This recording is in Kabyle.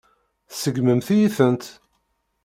Tseggmemt-iyi-tent.